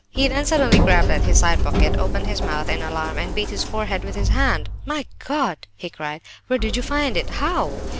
He then suddenly grabbed at his side pocket, opened his mouth in alarm, and beat his forehead with his hand. "'My God!' he cried, 'where did you find it? How?